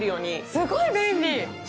すごい便利。